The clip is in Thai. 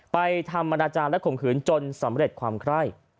ทำอนาจารย์และข่มขืนจนสำเร็จความไคร่